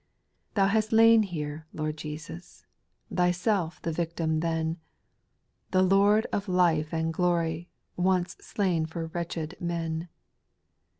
2. Thou hast lain here, Lord Jesus, Thyself the victim then ; The Lord of life and glory, Once slain for wretched men.